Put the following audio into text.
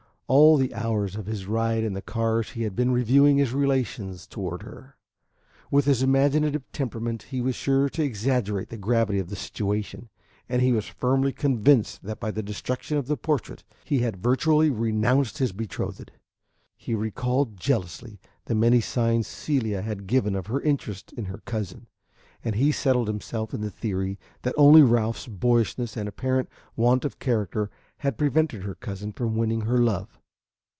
All the hours of his ride in the cars he had been reviewing his relations toward her. With his imaginative temperament he was sure to exaggerate the gravity of the situation, and he was firmly convinced that by the destruction of the portrait he had virtually renounced his betrothed. He recalled jealously the many signs Celia had given of her interest in her cousin, and he settled himself in the theory that only Ralph's boyishness and apparent want of character had prevented her cousin from winning her love.